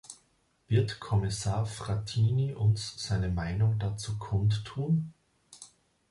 Wird Kommissar Frattini uns seine Meinung dazu kundtun?